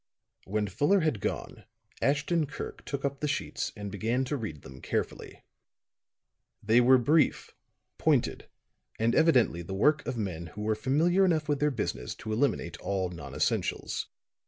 When Fuller had gone, Ashton Kirk took up the sheets and began to read them carefully. They were brief, pointed and evidently the work of men who were familiar enough with their business to eliminate all non essentials.